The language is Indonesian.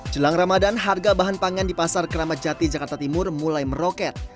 jelang ramadan harga bahan pangan di pasar keramat jati jakarta timur mulai meroket